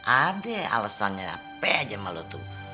ada alesannya apa aja sama lo tuh